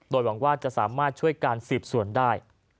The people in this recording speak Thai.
โดยหวังว่าจะสามารถช่วยการสืบสวนได้